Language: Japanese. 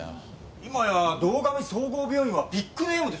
今や堂上総合病院はビッグネームですよ。